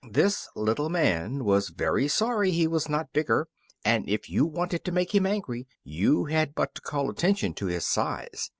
This little man was very sorry he was not bigger, and if you wanted to make him angry you had but to call attention to his size.